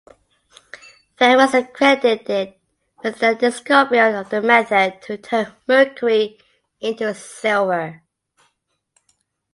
Fang was credited with the discovery of the method to turn mercury into silver.